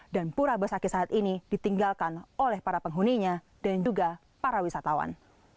dan pura besakih saat ini ditinggalkan oleh para penghuninya dan juga para wisatawan